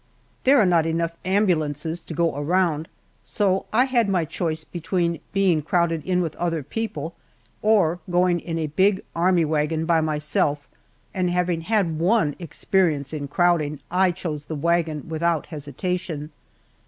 There are not enough ambulances to go around, so I had my choice between being crowded in with other people, or going in a big army wagon by myself, and having had one experience in crowding, I chose the wagon without hesitation.